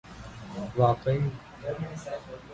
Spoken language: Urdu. واقعی